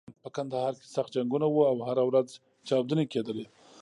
په کندهار کې سخت جنګونه و او هره ورځ چاودنې کېدلې.